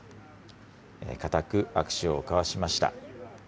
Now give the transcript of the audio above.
固く握手を交わしました。